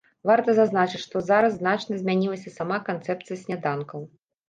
Варта зазначыць, што зараз значна змянілася сама канцэпцыя сняданкаў.